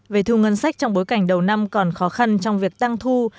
về thu ngân sách trong bối cảnh đầu năm còn khó khăn trong việc tăng thu